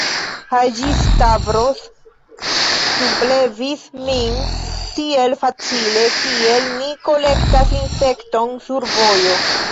Haĝi-Stavros sublevis min tiel facile, kiel ni kolektas insekton sur vojo.